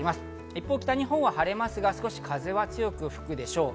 一方、北日本は晴れますが、風は少し吹くでしょう。